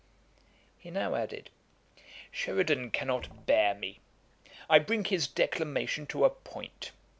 ] He now added, 'Sheridan cannot bear me. I bring his declamation to a point.